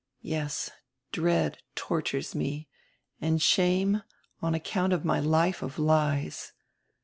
Yes, dread tortures me, and shame on account of my life of lies.